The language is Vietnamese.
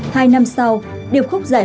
hai năm sau